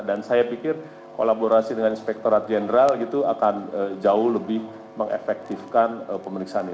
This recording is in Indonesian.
dan saya pikir kolaborasi dengan inspektorat jenderal itu akan jauh lebih mengefektifkan pemeriksaannya